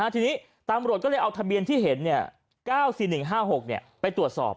ทีนี้ตำรวจก็เลยเอาทะเบียนที่เห็น๙๔๑๕๖ไปตรวจสอบ